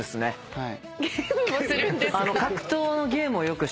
はい。